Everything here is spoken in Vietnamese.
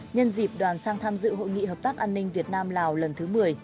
nhân dịp đoàn sang tham dự hội nghị hợp tác an ninh việt nam lào lần thứ một mươi